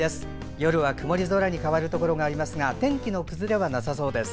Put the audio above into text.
夜は曇り空に変わるところがありますが天気の崩れはなさそうです。